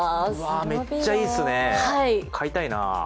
めっちゃいいですね、買いたいな。